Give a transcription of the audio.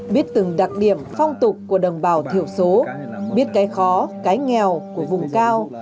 biết từng đặc điểm phong tục của đồng bào thiểu số biết cái khó cái nghèo của vùng cao